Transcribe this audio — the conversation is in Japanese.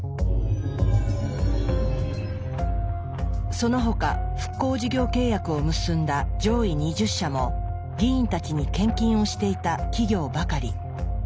その他復興事業契約を結んだ上位２０社も議員たちに献金をしていた企業ばかり。